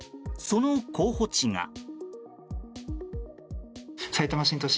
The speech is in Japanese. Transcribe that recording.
その候補地が。